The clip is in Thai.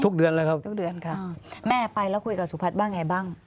ทุกเดือนครับ